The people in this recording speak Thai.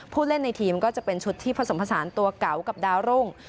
เล่นในทีมก็จะเป็นชุดที่ผสมผสานตัวเก่ากับดาวรุ่ง